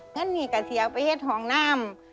เงินหนี้กะเซียวไปให้ทองน้ำ